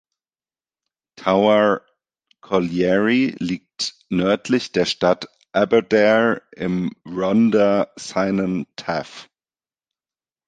Tower Colliery liegt nördlich der Stadt Aberdare im Rhondda Cynon Taf.